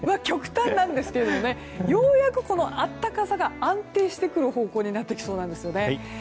極端なんですけどようやく暖かさが安定してくる方向になってきそうなんですね。